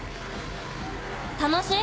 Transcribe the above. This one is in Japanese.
楽しい？